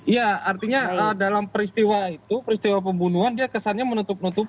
ya artinya dalam peristiwa itu peristiwa pembunuhan dia kesannya menutup nutup